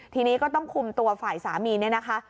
ทีนี้ก็ต้องคุมตัวฝ่ายสามีเนี่ยนะคะ